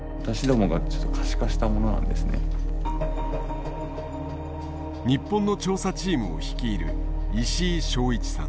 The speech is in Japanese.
日本の調査チームを率いる石井正一さん。